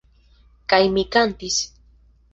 Kaj mi kantis.